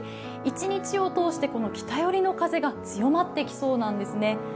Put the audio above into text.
一日を通して北寄りの風が強まってきそうなんですね。